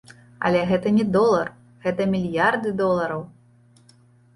Але гэта не долар, гэта мільярды долараў.